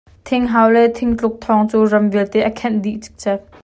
Thing hau le thing tluk thawng cu ram vialte a khenh dih cikcek.